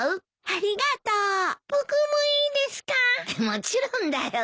もちろんだよ。